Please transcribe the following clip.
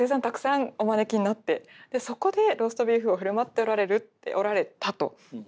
たくさんお招きになってそこでローストビーフを振る舞っておられたと。